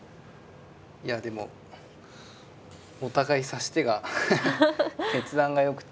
いやでもお互い指し手がハハハハ決断がよくて。